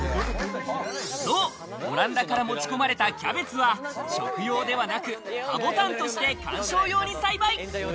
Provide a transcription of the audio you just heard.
そう、オランダから持ち込まれたキャベツは食用ではなく葉牡丹として観賞用に栽培。